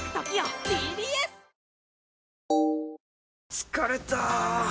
疲れた！